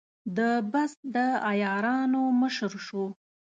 د بست د عیارانو مشر شو.